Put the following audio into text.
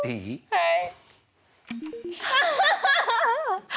はい。